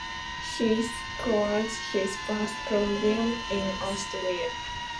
He scored his first podium in Austria.